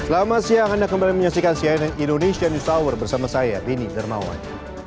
lama sih anda kembali menyaksikan cnn indonesia news hour bersama saya bini dermawan